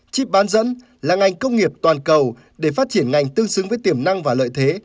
chip bán dẫn là ngành công nghiệp toàn cầu để phát triển ngành tương xứng với tiềm năng và lợi thế